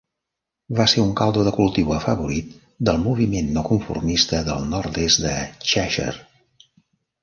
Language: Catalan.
Va ser un caldo de cultiu afavorit del moviment no conformista del nord-est de Cheshire.